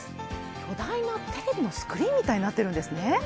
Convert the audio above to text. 巨大なテレビのスクリーンみたいになっているんですね。